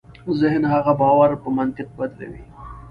ذهن هغه باور په منطق بدلوي.